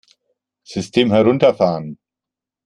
System herunterfahren!